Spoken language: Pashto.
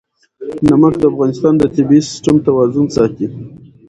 نمک د افغانستان د طبعي سیسټم توازن ساتي.